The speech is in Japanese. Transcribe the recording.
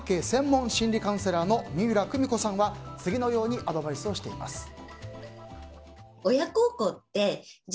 専門心理カウンセラーの三浦くみ子さんは次のようにアドバイスしています。